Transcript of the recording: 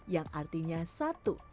yang artinya satu